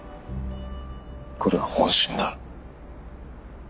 これは本心だ。